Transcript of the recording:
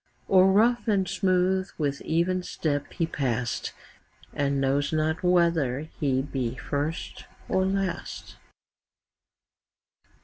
O'er rough and smooth with even step he pass'd, 10 And knows not whether he be first or last.